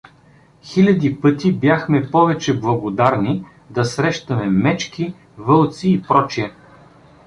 Хиляди пъти бяхме повече благодарни да срещаме мечки, вълци и пр.